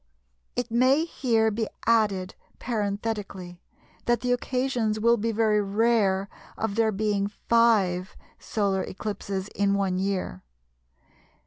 It may here be added, parenthetically, that the occasions will be very rare of there being 5 solar eclipses in one year.